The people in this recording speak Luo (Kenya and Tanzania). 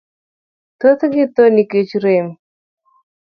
Thothgi tho nikech rem.